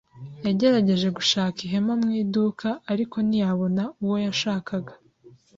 Yagerageje gushaka ihema mu iduka, ariko ntiyabona uwo yashakaga.